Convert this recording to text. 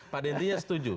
pada intinya setuju